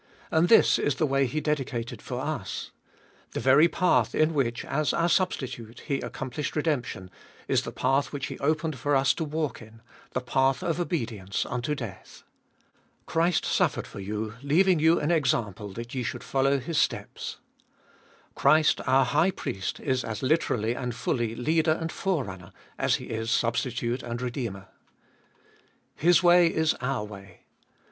And this is the way He dedicated for us. The very path in which, as our Substitute, He accom plished redemption, is the path which He opened for us to walk in, the path of obedience unto death. " Christ suffered for you, leaving you an example that ye should follow His steps." Christ our High Priest is as literally and fully Leader and Forerunner as He is Substitute and Redeemer. His way is our way.